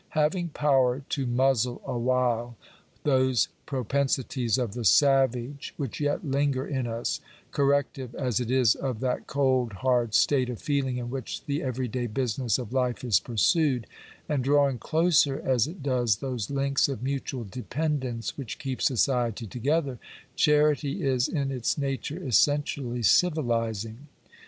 Having power to muzzle awhile those propensi ties of the savage which yet linger in us — corrective as it is of that cold, hard state of feeling in which the every day business of life is pursued — and drawing closer as it does those links of mutual dependence which keep society together — charity is in i its nature essentially civilizing.